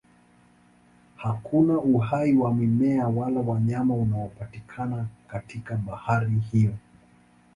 Hakuna uhai wa mimea wala wanyama unaopatikana katika bahari hiyo.